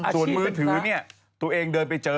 ส่วนมือถือเนี่ยตัวเองเดินไปเจอ